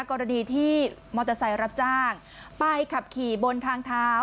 กรณีที่มอเตอร์ไซค์รับจ้างไปขับขี่บนทางเท้า